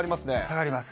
下がります。